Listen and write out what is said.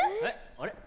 あれ？